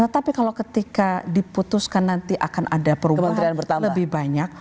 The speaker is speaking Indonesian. tapi kalau ketika diputuskan nanti akan ada perubahan lebih banyak